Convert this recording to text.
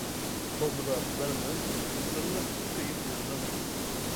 ئالدىراپ بەرمەڭ كۆڭۈل، كۆرمەستىن كۆيۈپ يۈرمەڭ.